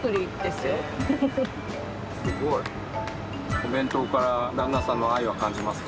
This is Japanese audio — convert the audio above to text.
お弁当から旦那さんの愛は感じますか？